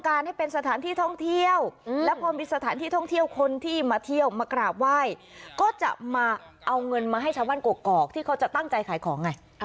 มาเอาเงินมาให้ชาวบ้านกกอกที่เขาจะตั้งใจขายของไง